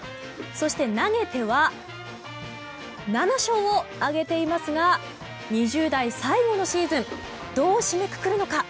そして、投げては７勝を挙げていますが２０代最後のシーズンどう締めくくるのか。